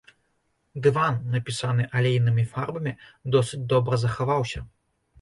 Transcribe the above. Дыван, напісаны алейнымі фарбамі, досыць добра захаваўся.